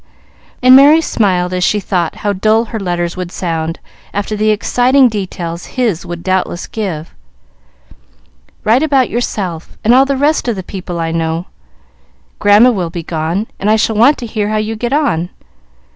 and Merry smiled as she thought how dull her letters would sound after the exciting details his would doubtless give. "Write about yourself, and all the rest of the people I know. Grandma will be gone, and I shall want to hear how you get on."